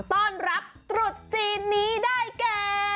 ต้อนรับตรุษจีนนี้ได้แก่